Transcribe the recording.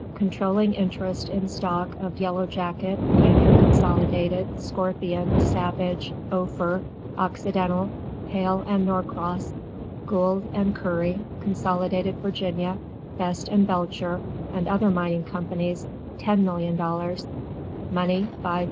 "Controlling interest in stock of Yellow Jacket, Union Consolidated, Scorpion, Savage, Ophir, Occidental, Hale & Norcross, Gould & Curry, Consolidated Virginia, Best & Belcher and other mining companies, $10,000,000; money $500,000."